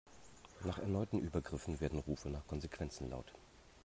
Nach erneuten Übergriffen werden Rufe nach Konsequenzen laut.